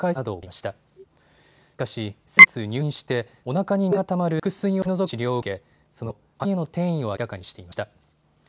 しかし先月、入院しておなかに水がたまる腹水を取り除く治療を受けその後、肺への転移を明らかにしていました。